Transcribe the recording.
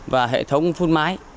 và hệ thống phun mái